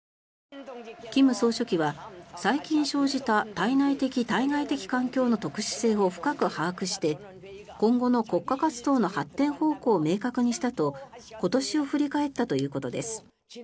金総書記は最近生じた対内的・対外的環境の特殊性を深く把握して今後の国家活動の発展方向を明確にしたと今年を振り返ったということです。